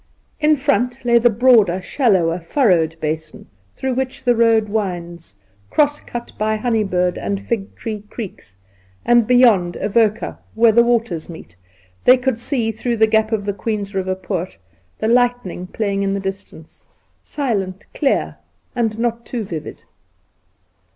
In front lay the broader, shallower, furrowed basin, through which the road winds, cross cut by Honeybird and Fig tree Creeks; and beyond Avoca, where the waters meet, they could see, through the gap of the Queen's Eiver Poort, the lightning play ing in the distance — ^silent, clear, and not too vivid.